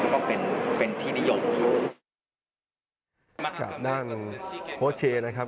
แล้วก็เป็นเป็นที่นิยมนะครับกลับด้านโคเชนะครับ